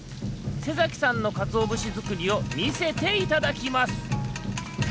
瀬崎さんのかつおぶしづくりをみせていただきます。